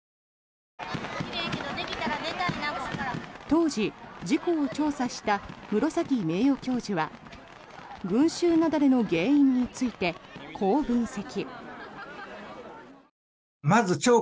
当時、事故を調査した室崎名誉教授は群集雪崩の原因についてこう分析。